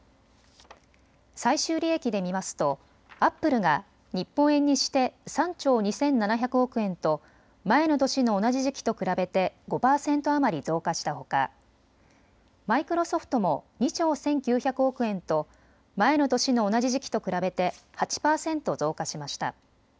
最終利益で見ますとアップルが日本円にして３兆２７００億円と前の年の同じ時期と比べて５％余り増加したほかマイクロソフトも２兆１９００億円と前の年の同じ時期と比べて８％増加しました。